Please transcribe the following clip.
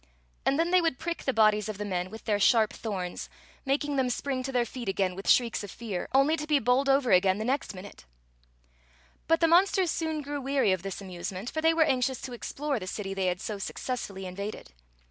And then they would prick the bodies of the men with their sharp thorns, making them spring to their Story of the Magic Cloak aai feet again with shrieks of fear, only to be bowled over again the next minute. But the monsters soon grew weary of this amuse ment, for they were anxious to explore the city they had so successfully invaded.